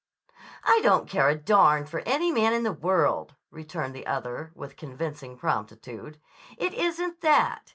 "I don't care a darn for any man in the world," returned the other with convincing promptitude. "It isn't that.